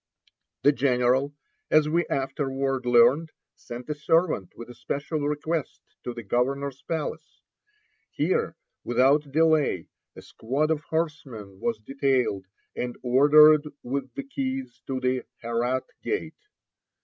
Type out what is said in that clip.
The general, as we afterward learned, sent a servant with a special request to the governor's palace. Here, without delay, a squad of horsemen Ill 95 was detailed, and ordered with the keys to the "Herat Gate."